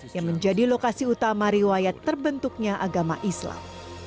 yang menjadi lokasi utama riwayat terbentuknya agama islam